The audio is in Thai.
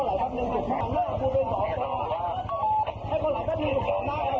ให้เขาไหลกันหนึ่ง